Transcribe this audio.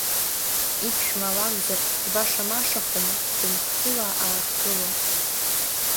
Иԥшәма лакәзар, дбаша-машахума, дынхгыла-аахгыло…